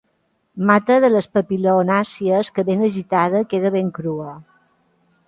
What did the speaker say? Mata de les papilionàcies que, ben agitada, queda ben crua.